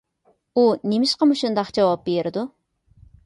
ئۇ نېمىشقا مۇشۇنداق جاۋاب بېرىدۇ؟